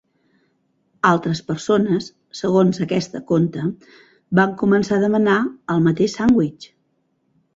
Altres persones, segons aquesta conta, van començar a demanar el mateix Sandwich!